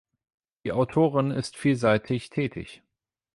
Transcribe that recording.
Die Autorin ist vielseitig tätig.